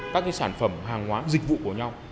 các sản phẩm hàng hóa dịch vụ của nhau